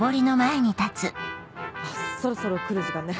そろそろ来る時間ね。